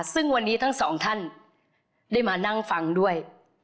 ซึ่งวันนี้ทั้งสองท่านได้มานั่งฟังด้วย